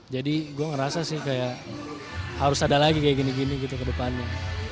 jadi gue ngerasa sih kayak harus ada lagi kayak gini gini gitu ke depannya